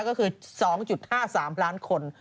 ก็คือ๒๕๓ล้านคน